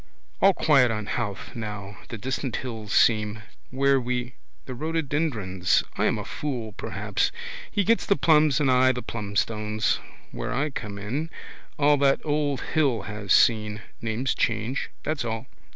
All quiet on Howth now. The distant hills seem. Where we. The rhododendrons. I am a fool perhaps. He gets the plums, and I the plumstones. Where I come in. All that old hill has seen. Names change: that's all.